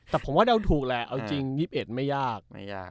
แต่ผมว่าเดาถูกแหละ๒๑ไม่ยาก